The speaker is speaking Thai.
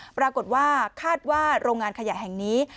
ปรากฏว่าคาดว่าโรงงานขยะแห่งนี้